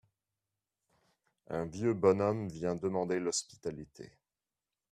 Un vieux bonhomme vient demander l'hospitalité.